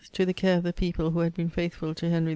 to the care of the people who had been faithful to Henry IV.